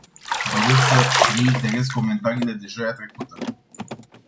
Doresc să reiterez comentariile de joia trecută.